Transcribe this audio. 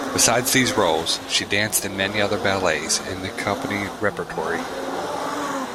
Besides these roles, she danced in many other ballets in the company repertory.